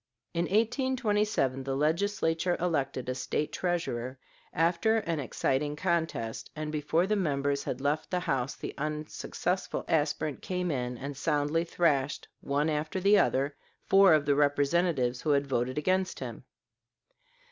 In 1827 the Legislature elected a State treasurer after an exciting contest, and before the members had left the house the unsuccessful aspirant came in and soundly thrashed, one after the other, four of the representatives who had voted against him.